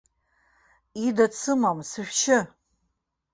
Ида дсымам, сышәшьы.